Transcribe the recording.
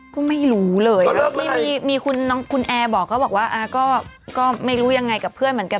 ก็ไม่รู้เลยมีคุณแอร์บอกเขาบอกว่าก็ไม่รู้ยังไงกับเพื่อนเหมือนกัน